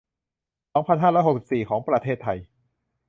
สองพันห้าร้อยหกสิบสี่ ของประเทศไทย